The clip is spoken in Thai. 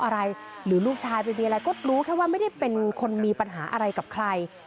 รู้แค่ว่าไม่ได้เป็นคนมีปัญหาอะไรกับใคร